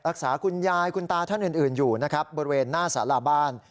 รักษาคุณยายคุณตาท่านอื่นอยู่บริเวณหน้าสระบ้าน